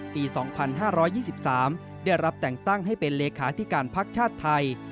ปี๒๕๒๓ได้รับแต่งตั้งให้เป็นเลขาธิการภักดิ์ชาติไทย